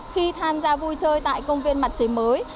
khi tham gia vui chơi tại công viên mặt trời mới